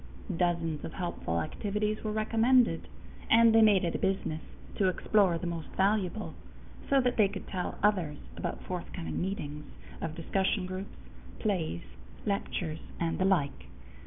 Dozens of helpful activities were recommended, and they made it a business to explore the most valuable, so that they could tell others about forthcoming meetings of discussion groups, plays, lectures, and the like.